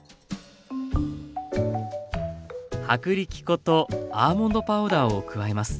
薄力粉とアーモンドパウダーを加えます。